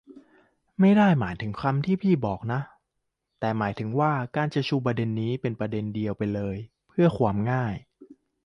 ไม่ได้หมายถึงคำพี่บอมนะ แต่หมายถึงว่า การจะชูประเด็นนี้เป็นประเด็นเดี่ยวไปเลย เพือความง่าย